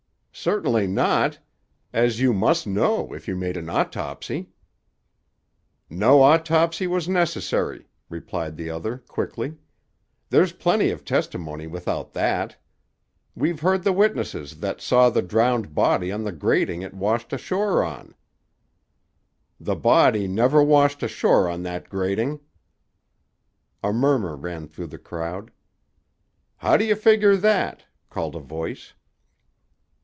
"Certainly not! As you must know, if you made an autopsy." "No autopsy was necessary," replied the other quickly. "There's plenty of testimony without that. We've heard the witnesses that saw the drowned body on the grating it washed ashore on." "The body never washed ashore on that grating." A murmur ran through the crowd. "How do you figure that?" called a voice.